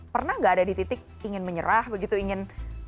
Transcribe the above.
pernah nggak ada di titik ingin menyerah begitu ingin